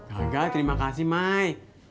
gagal terima kasih mai